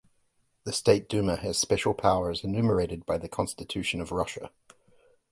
The State Duma has special powers enumerated by the Constitution of Russia.